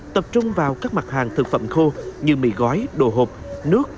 tập trung vào các mặt hàng thực phẩm khô như mì gói đồ hộp nước